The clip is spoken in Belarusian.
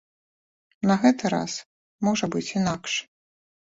На гэты раз можа быць інакш.